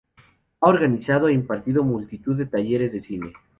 Ha organizado e impartido multitud de talleres de cine.